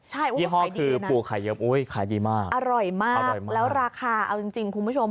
ใช่ปูไข่ดีเลยนะอร่อยมากอร่อยมากแล้วราคาเอาจริงคุณผู้ชม